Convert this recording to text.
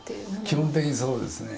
基本的にそうですね。